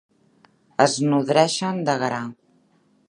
Es nodreixen de gra.